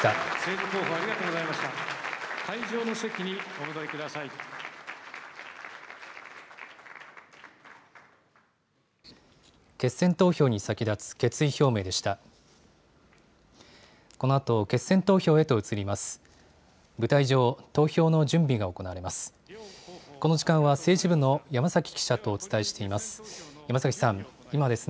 このあと決選投票へと移ります。